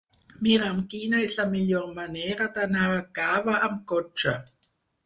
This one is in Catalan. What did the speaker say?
Mira'm quina és la millor manera d'anar a Cava amb cotxe.